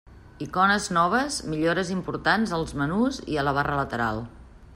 Icones noves, millores importants als menús i a la barra lateral.